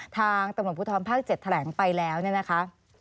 ทางตำรวจภูทรภาค๗แถลงไปแล้วเนี่ยนะคะ